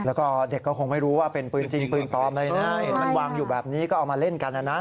แล้วก็เด็กก็คงไม่รู้ว่าเป็นปืนจริงปืนปลอมอะไรนะเห็นมันวางอยู่แบบนี้ก็เอามาเล่นกันนะนะ